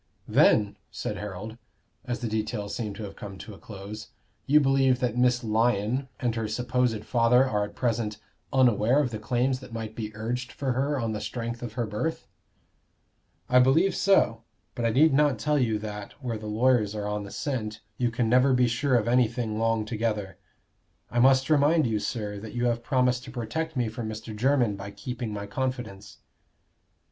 "Then," said Harold, as the details seemed to have come to a close, "you believe that Miss Lyon and her supposed father are at present unaware of the claims that might be urged for her on the strength of her birth?" "I believe so. But I need not tell you that where the lawyers are on the scent you can never be sure of anything long together. I must remind you, sir, that you have promised to protect me from Mr. Jermyn by keeping my confidence."